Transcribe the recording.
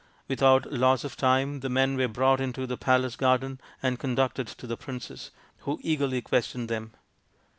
Without loss of time the men were brought into the palace garden and conducted to the princess, who eagerly questioned them.